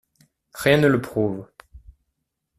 Rien ne le prouve.